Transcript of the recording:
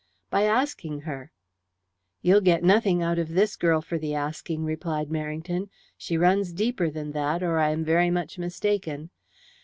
"By asking her." "You'll get nothing out of this girl for the asking," replied Merrington. "She runs deeper than that, or I am very much mistaken.